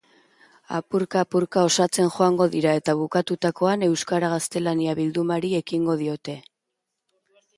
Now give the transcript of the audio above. Apurka-apurka osatzen joango dira, eta bukatutakoan euskara-gaztelania bildumari ekingo diote.